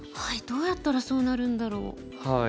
どうやったらそうなるんだろう。